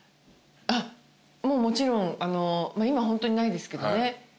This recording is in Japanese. もうもちろん今はホントにないですけどね。